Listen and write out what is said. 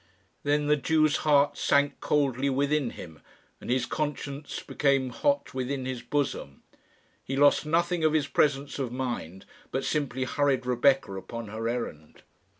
Then the Jew's heart sank coldly within him, and his conscience became hot within his bosom. He lost nothing of his presence of mind, but simply hurried Rebecca upon her errand.